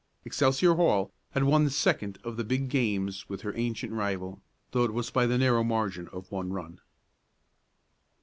Excelsior Hall had won the second of the big games with her ancient rival, though it was by the narrow margin of one run.